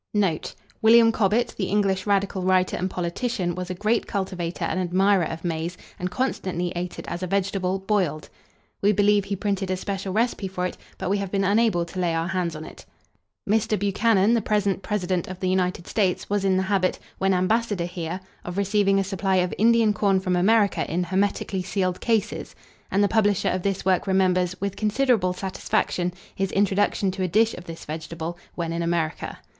Note. William Cobbett, the English radical writer and politician, was a great cultivator and admirer of maize, and constantly ate it as a vegetable, boiled. We believe he printed a special recipe for it, but we have been unable to lay our hands on it. Mr. Buchanan, the present president of the United States, was in the habit, when ambassador here, of receiving a supply of Indian corn from America in hermetically sealed cases; and the publisher of this work remembers, with considerable satisfaction, his introduction to a dish of this vegetable, when in America.